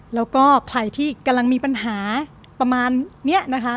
แล้วก็ใครที่กำลังมีปัญหาประมาณนี้นะคะ